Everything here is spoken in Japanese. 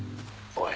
おい。